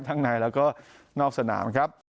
ในแล้วก็นอกสนามครับ